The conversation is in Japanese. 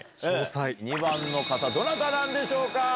２番の方どなたなんでしょうか？